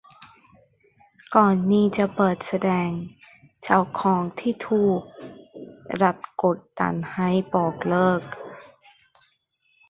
ก่อนนี้จะเปิดแสดง เจ้าของที่ถูกรัฐกดดันให้บอกเลิก